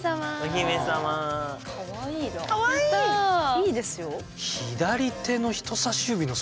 いいですよ。